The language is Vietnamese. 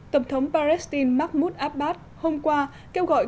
tổng thống palestine mahmoud abbas hôm qua kêu gọi